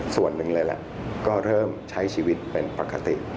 ส่วนหนึ่งเลยแหละก็เริ่มใช้ชีวิตเป็นปกติ